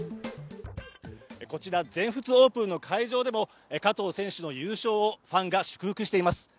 こちら、全仏オープンの会場でも加藤選手の優勝をファンが祝福しています